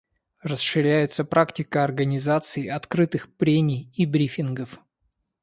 Расширяется практика организации открытых прений и брифингов.